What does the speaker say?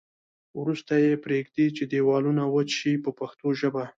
وروسته یې پرېږدي چې دېوالونه وچ شي په پښتو ژبه.